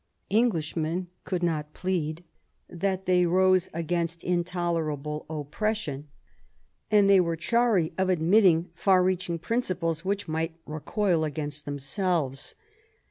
Englishmen could not plead that they rose against intolerable oppression ; and they were chary of admitting far reaching principles which might recoil against themselves.